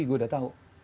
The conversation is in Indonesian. saya sudah tahu